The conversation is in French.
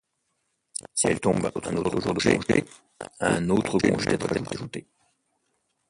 Si elle tombe un autre jour de congé, un autre congé doit être ajouté.